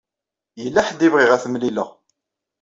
Yella ḥedd i bɣiɣ ad temlileḍ.